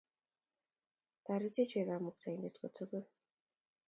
Taretech wei kamutaindet kotugul